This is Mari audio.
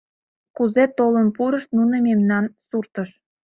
Кузе толын пурышт нуно мемнан суртыш?